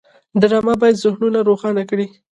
ډرامه باید ذهنونه روښانه کړي